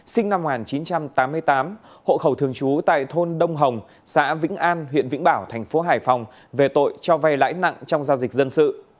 sinh năm một nghìn chín trăm tám mươi tám hộ khẩu thường trú tại thôn đông hồng xã vĩnh an huyện vĩnh bảo thành phố hải phòng về tội cho vay lãi nặng trong giao dịch dân sự